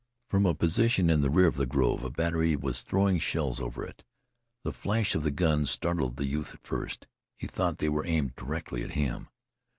From a position in the rear of the grove a battery was throwing shells over it. The flash of the guns startled the youth at first. He thought they were aimed directly at him.